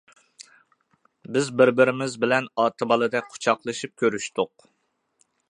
بىز بىر-بىرىمىز بىلەن ئاتا-بالىدەك قۇچاقلىشىپ كۆرۈشتۇق.